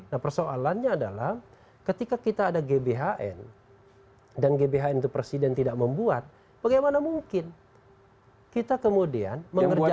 nah persoalannya adalah ketika kita ada gbhn dan gbhn itu presiden tidak membuat bagaimana mungkin kita kemudian mengerjakan